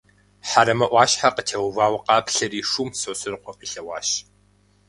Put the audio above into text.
Хьэрэмэ ӏуащхьэ къытеувауэ къаплъэри, шум Сосрыкъуэ къилъэгъуащ.